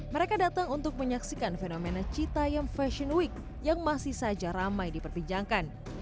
mereka datang untuk menyaksikan fenomena citayam fashion week yang masih saja ramai diperbincangkan